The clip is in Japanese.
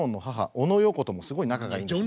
オノ・ヨーコともすごい仲がいいんですね。